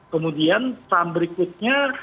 kemudian saham berikutnya